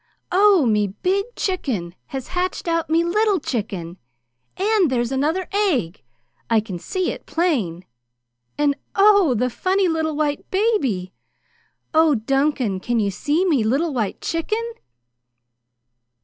"Oh, me big chicken has hatched out me little chicken, and there's another egg. I can see it plain, and oh, the funny little white baby! Oh, Duncan, can you see me little white chicken?"